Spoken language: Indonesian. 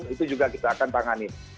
itu juga kita akan tanganin